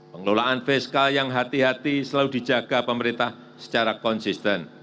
pengelolaan fiskal yang hati hati selalu dijaga pemerintah secara konsisten